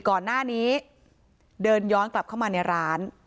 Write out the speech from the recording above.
ก่อนหน้านี้เดินย้อนกลับเข้ามาในร้าน